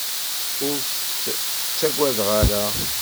Ur tt-ttagadeɣ ara.